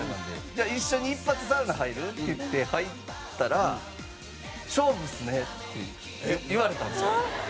「じゃあ一緒に一発サウナ入る？」って言って入ったら「勝負っすね」って言われたんですよ。